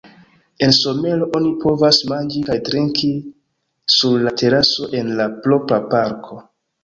En somero oni povas manĝi kaj trinki sur la teraso en la propra parko.